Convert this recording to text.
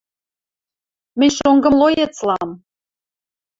– Мӹнь шонгы млоец ылам...